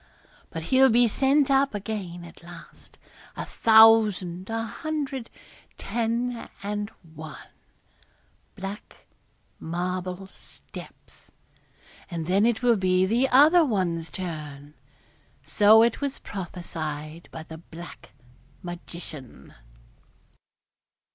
But he'll be sent up again, at last, a thousand, a hundred, ten and one, black marble steps, and then it will be the other one's turn. So it was prophesied by the black magician.'